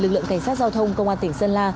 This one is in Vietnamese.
lực lượng cảnh sát giao thông công an tỉnh sơn la